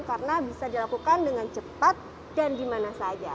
karena bisa dilakukan dengan cepat dan di mana saja